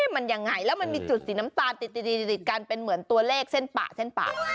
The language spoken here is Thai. มันยังไงแล้วมันมีจุดสีน้ำตาลติดกันเป็นเหมือนตัวเลขเส้นปะเส้นปะ